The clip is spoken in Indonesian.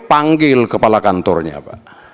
panggil kepala kantornya pak